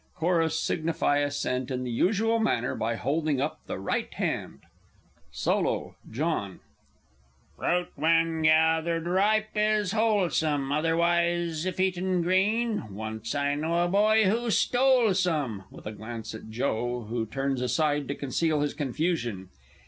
[Chorus signify assent in the usual manner by holding up the right hand. Solo JOHN. Fruit, when gathered ripe, is wholesome Otherwise if eaten green. Once I know a boy who stole some [_With a glance at JOE, who turns aside to conceal his confusion.